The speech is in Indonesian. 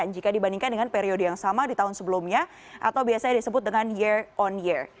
jika dibandingkan dengan periode yang sama di tahun sebelumnya atau biasanya disebut dengan year on year